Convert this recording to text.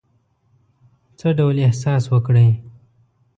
څه ډول احساس وکړی.